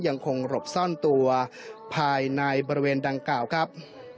ยังคงหลบซ่อนตัวภายในบริเวณดังกล่าวครับ